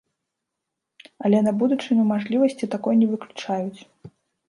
Але на будучыню мажлівасці такой не выключаюць.